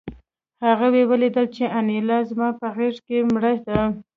هغوی ولیدل چې انیلا زما په غېږ کې مړه ده